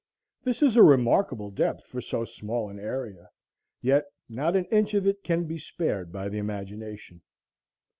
This is a remarkable depth for so small an area; yet not an inch of it can be spared by the imagination.